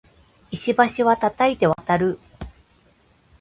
石橋は叩いて渡る